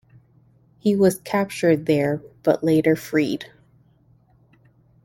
He was captured there but later freed.